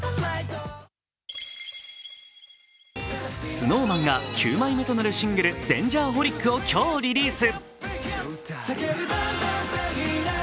ＳｎｏｗＭａｎが９枚目となるシングル「Ｄａｎｇｅｒｈｏｌｉｃ」を今日リリース。